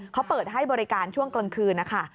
เขาเปิดให้บริการช่วงกลางคืนนะคะ